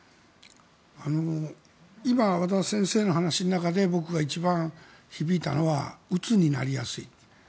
今、和田先生の話の中で僕が一番響いたのはうつになりやすい。